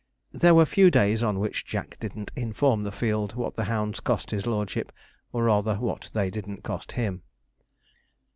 There were few days on which Jack didn't inform the field what the hounds cost his lordship, or rather what they didn't cost him.